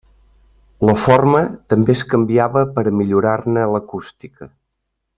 La forma també es canviava per millorar-ne l'acústica.